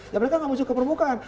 ya mereka nggak masuk ke permukaan